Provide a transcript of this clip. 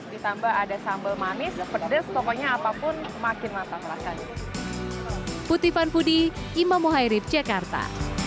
ditambah ada sambel manis pedes pokoknya apapun makin mantap rasanya